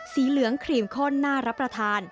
สีเหลืองครีมข้นน่ารับประทาน